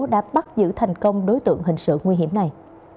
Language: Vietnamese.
đã bắt giữ thành công đối tượng hình sự nguy hiểm này